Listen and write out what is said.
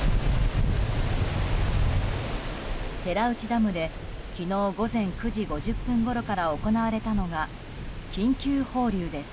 寺内ダムで昨日午前９時５０分ごろから行われたのが緊急放流です。